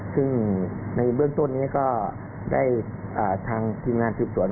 ซึ่งในเบื้องต้นนี้ก็ได้ทางทีมงานสืบสวน